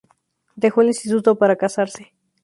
Dejó el instituto para casarse.